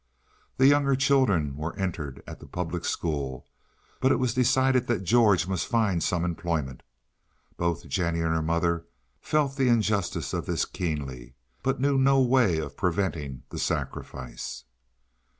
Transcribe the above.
The younger children were entered at the public school, but it was decided that George must find some employment. Both Jennie and her mother felt the injustice of this keenly, but knew no way of preventing the sacrifice.